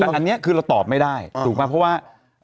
แต่อันนี้คือเราตอบไม่ได้ถูกไหมเพราะว่า